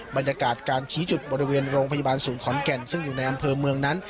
บรรยากาศการชี้จุดบริเวณโรงพยาบาลศูนย์ขอนแก่นซึ่งอยู่ในอำเภอเมืองนั้น